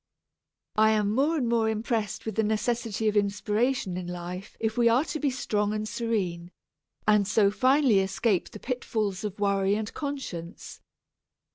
I am more and more impressed with the necessity of inspiration in life if we are to be strong and serene, and so finally escape the pitfalls of worry and conscience.